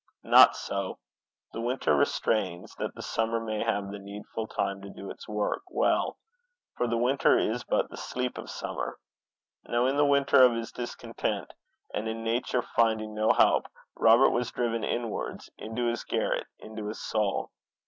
Not so. The winter restrains, that the summer may have the needful time to do its work well; for the winter is but the sleep of summer. Now in the winter of his discontent, and in Nature finding no help, Robert was driven inwards into his garret, into his soul.